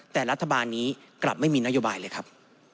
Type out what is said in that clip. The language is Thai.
แต่รัฐบาลนี้กลับไม่มีนโยบายเลยครับ